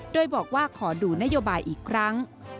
โดยบอกว่าขอดูนโยบายอีกครั้ง